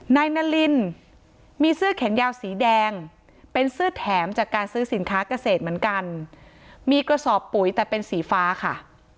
นายนารินมีเสื้อแขนยาวสีแดงเป็นเสื้อแถมจากการซื้อสินค้าเกษตรเหมือนกันมีกระสอบปุ๋ยแต่เป็นสีฟ้าค่ะ